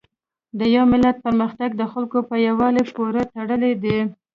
د یو ملت پرمختګ د خلکو په یووالي پورې تړلی دی.